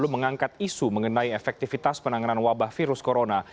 mengangkat isu mengenai efektivitas penanganan wabah virus corona